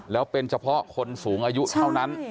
แล้วเป็นเฉพาะคนสูงอายุเท่านั้น